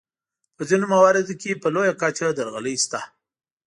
په ځینو مواردو کې په لویه کچه درغلۍ شته.